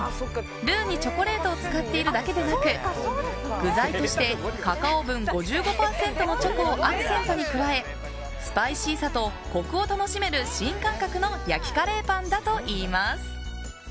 ルーにチョコレートを使っているだけでなく具材としてカカオ分５５％のチョコをアクセントに加えスパイシーさとコクを楽しめる新感覚の焼きカレーパンだといいます。